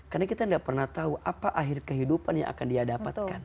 karena kita tidak pernah tahu apa akhir kehidupan yang akan dia dapatkan